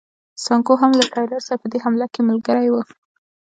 سانکو هم له ټایلر سره په دې حمله کې ملګری و.